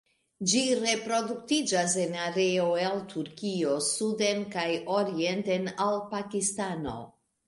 Ĝi reproduktiĝas en areo el Turkio suden kaj orienten al Pakistano.